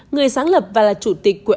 người sáng lập và là chủ tịch của